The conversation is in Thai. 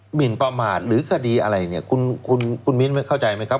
หมินประมาทหรือคดีอะไรเนี่ยคุณคุณมิ้นไม่เข้าใจไหมครับ